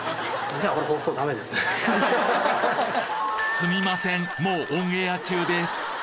すみませんもうオンエア中です